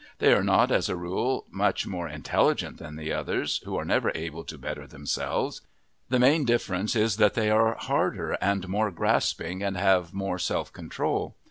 They are not as a rule much more intelligent than the others who are never able to better themselves; the main difference is that they are harder and more grasping and have more self control.